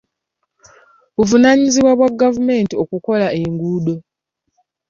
Buvunaanyizibwa bwa gavumenti okukola enguudo.